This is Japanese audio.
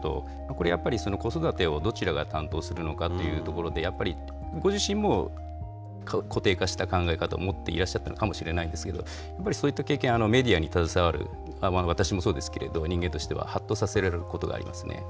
これやっぱり、子育てをどちらが担当するのかというところで、やっぱりご自身も固定化した考え方を持っていらっしゃったのかもしれないんですけど、やっぱりそういった経験、メディアに携わる、私もそうですけれども、人間としてははっとさせられることがありますね。